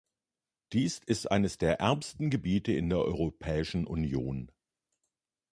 Dies ist eines der ärmsten Gebiete in der Europäischen Union.